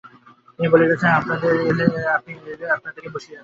তিনি বলে গেছেন, আপনি এলে আপনাকে বসিয়ে রাখতে–আপনার আজ পরীক্ষা হবে।